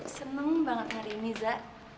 aku seneng banget hari ini za